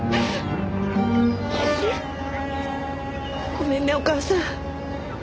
ごめんねお母さん。